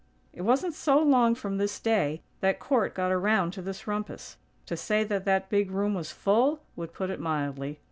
It wasn't so long from this day that Court got around to this rumpus. To say that that big room was full, would put it mildly.